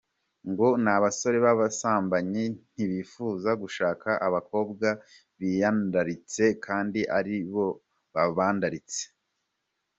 Ngo n’abasore b’abasambanyi ntibifuza gushaka abakobwa biyandaritse kandi ari bo babandaritse.